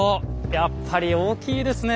やっぱり大きいですね。